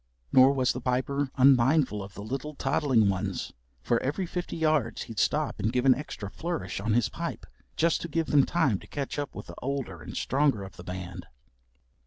Nor was the Piper unmindful of the little toddling ones, for every fifty yards he'd stop and give an extra flourish on his pipe just to give them time to keep up with the older and stronger of the band.